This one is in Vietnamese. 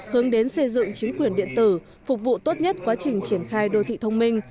hướng đến xây dựng chính quyền điện tử phục vụ tốt nhất quá trình triển khai đô thị thông minh